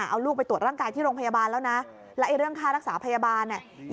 เอาลูกไปตรวจร่างกายที่โรงพยาบาลแล้วนะแล้วเรื่องค่ารักษาพยาบาลเนี่ย